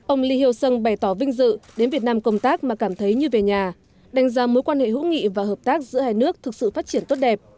ông lee hyo sung bày tỏ vinh dự đến việt nam công tác mà cảm thấy như về nhà đánh giá mối quan hệ hữu nghị và hợp tác giữa hai nước thực sự phát triển tốt đẹp